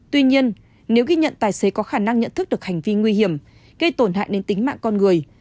tuy nhiên nếu ghi nhận tài xế có khả năng nhận thức được hành vi nguy hiểm gây tổn hại đến tính mạng con người